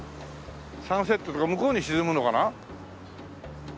サンセットが向こうに沈むのかな？